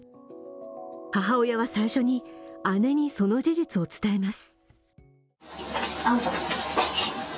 母親は最初に姉にその事実に伝えます。